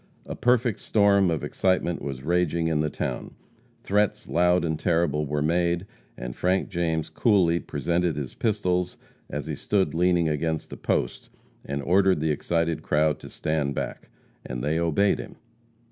A perfect storm of excitement was raging in the town. Threats loud and terrible were made, and Frank James coolly presented his pistols as he stood leaning against a post and ordered the excited crowd to stand back, and they obeyed him.